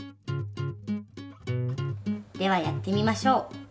ではやってみましょう。